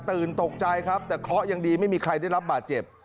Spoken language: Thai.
ตกใจครับแต่เคราะห์ยังดีไม่มีใครได้รับบาดเจ็บ